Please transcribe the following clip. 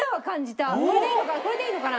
これでいいのかな？